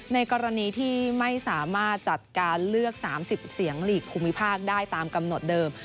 ในกรณีที่ไม่สามารถจัดการเลือก๓๐เสียงหลีกภูมิภาคได้ตามกำหนดเดิม